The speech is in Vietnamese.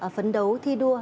phấn đấu thi đua